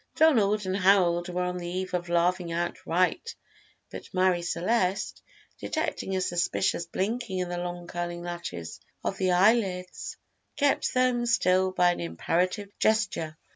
Donald and Harold were on the eve of laughing outright, but Marie Celeste, detecting a suspicious blinking in the long curling lashes of the eyelids, kept them still by an imperative gesture.